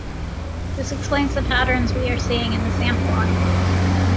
This explains the patterns we are seeing in the sample audience.